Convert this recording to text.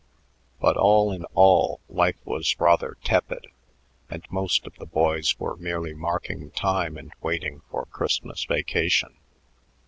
But, all in all, life was rather tepid, and most of the boys were merely marking time and waiting for Christmas vacation.